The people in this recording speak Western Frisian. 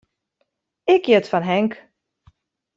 Ik hjit fan Henk.